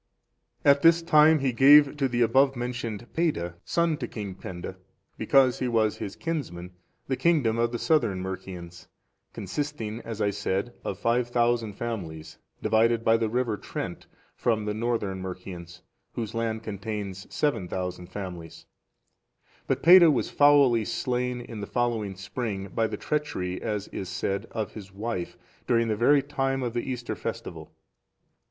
At this time he gave to the above mentioned Peada, son to King Penda, because he was his kinsman, the kingdom of the Southern Mercians,(447) consisting, as is said, of 5,000 families, divided by the river Trent from the Northern Mercians, whose land contains 7,000 families; but Peada was foully slain in the following spring, by the treachery, as is said, of his wife,(448) during the very time of the Easter festival.